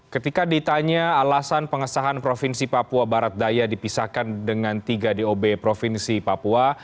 ketika ditanya alasan pengesahan provinsi papua barat daya dipisahkan dengan tiga dob provinsi papua